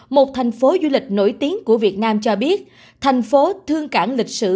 một thành phố du lịch nổi tiếng của việt nam cho biết thành phố thương cảng lịch sử